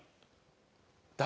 誰？